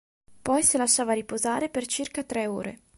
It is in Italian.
Poi si lasciava “riposare” per circa tre ore.